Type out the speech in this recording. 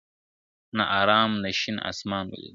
نه مو آرام نه شین اسمان ولیدی ,